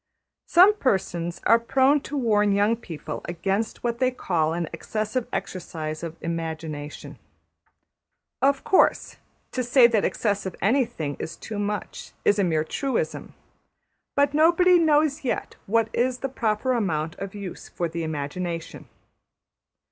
Some persons are prone to warn young people against what they call an excessive exercise of the imagination. Of course, to say that ``excessive'' anything is too much is a mere truism, but nobody knows yet what is the proper amount of use for the imagination.